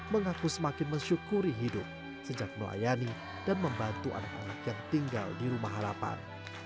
mengaku semakin mensyukuri hidup sejak melayani dan membantu anak anak yang tinggal di rumah harapan